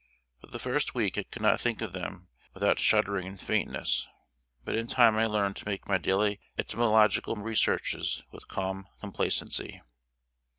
For the first week, I could not think of them without shuddering and faintness: but in time I learned to make my daily entomological researches with calm complacency.